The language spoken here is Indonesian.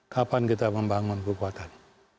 kapan kita membangun kekuatan